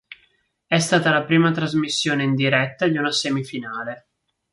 È stata la prima trasmissione in diretta di una semifinale.